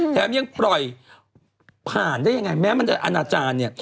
แถมยังปล่อยผ่านได้ยังไงแม้มันจะอนาจารย์เนี่ย